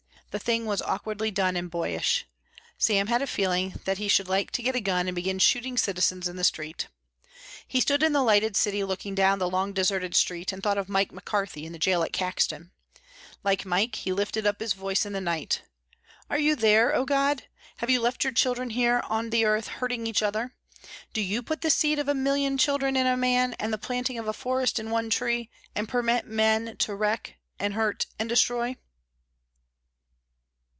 The thing was awkwardly done and boyish. Sam had a feeling that he should like to get a gun and begin shooting citizens in the streets. He stood in the lighted city looking down the long deserted street and thought of Mike McCarthy in the jail at Caxton. Like Mike, he lifted up his voice in the night. "Are you there, O God? Have you left your children here on the earth hurting each other? Do you put the seed of a million children in a man, and the planting of a forest in one tree, and permit men to wreck and hurt and destroy?"